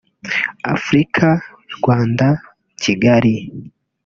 Africa | Rwanda | Kigali